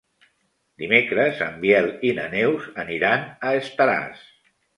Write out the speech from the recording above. Dimecres en Biel i na Neus aniran a Estaràs.